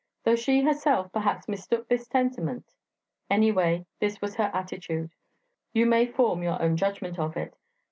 Though she herself perhaps mistook this sentiment, anyway this was her attitude; you may form your own judgment of it.